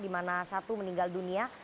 di mana satu meninggal dunia